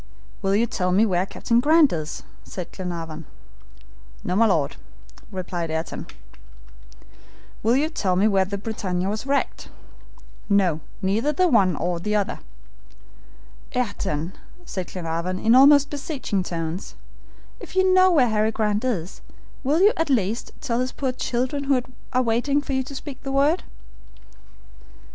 "Will you tell me where Captain Grant is?" asked Glenarvan. "No, my Lord," replied Ayrton. "Will you tell me where the BRITANNIA was wrecked?" "No, neither the one nor the other." "Ayrton," said Glenarvan, in almost beseeching tones, "if you know where Harry Grant is, will you, at least, tell his poor children, who are waiting for you to speak the word?"